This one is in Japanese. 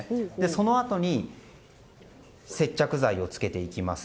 そのあとに接着剤をつけます。